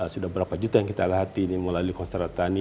sudah berapa juta yang kita latih melalui konserat petani